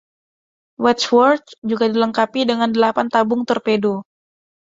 "Wadsworth" juga dilengkapi dengan delapan tabung torpedo.